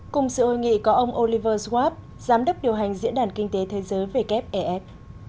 cùng sự hội nghị có ông oliver schwab giám đốc điều hành diễn đàn kinh tế thế giới vkf ef